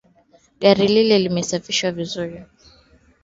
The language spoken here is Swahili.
Nikifikia tamati ya mtazamo wangu na jinsi ambavyo Mike alivyoshuhudia